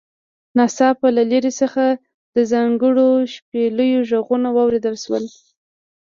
ناڅاپه له لرې څخه د ځانګړو شپېلیو غږونه واوریدل شول